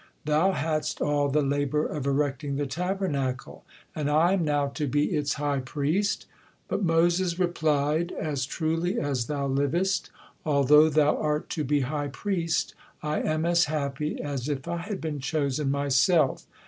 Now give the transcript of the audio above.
Thou hadst all the labor of erecting the Tabernacle, and I am now to be its high priest!" But Moses replied: "As truly as thou livest, although thou art to be high priest, I am as happy as if I had been chosen myself.